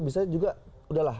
bisa juga udah lah